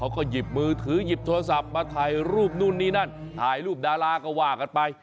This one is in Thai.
เขาก็หยิบมือถือหยิบโทรศัพท์มาถ่ายรูปนู่นนี่นั่นถ่ายรูปดาราก็ว่ากันไป